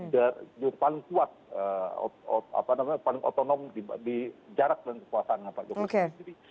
yang paling kuat paling otonom di jarak dan kekuasaannya pak jokowi sendiri